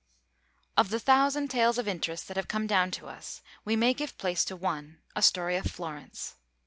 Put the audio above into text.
Of the thousand tales of interest that have come down to us, we may give place to one, a story of Florence.